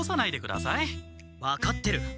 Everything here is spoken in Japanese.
分かってる。